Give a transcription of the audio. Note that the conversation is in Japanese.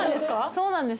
そうなんですよ。